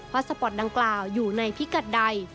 สปอร์ตดังกล่าวอยู่ในพิกัดใด